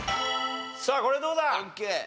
さあこれどうだ？